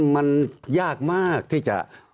มันยากมากที่จะ